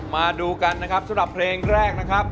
มาดูกันนะครับสำหรับเพลงแรกนะครับ